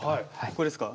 ここですか。